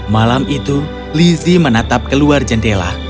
malam itu lizzie menatap keluar jendela